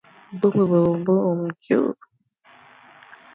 The main joint lies between the fourth and fifth segments of the body.